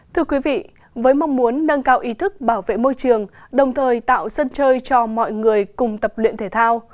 thưa quý vị với mong muốn nâng cao ý thức bảo vệ môi trường đồng thời tạo sân chơi cho mọi người cùng tập luyện thể thao